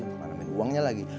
untuk nanamin uangnya lagi